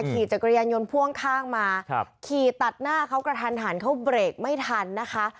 ขี่จักรยานยนต์พ่วงข้างมาขี่ตัดหน้าเขากระทันหันเขาเบรกไม่ทันนะคะ